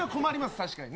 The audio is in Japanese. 確かにね。